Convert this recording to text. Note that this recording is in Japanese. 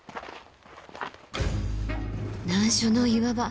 難所の岩場。